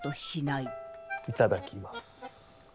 いただきます。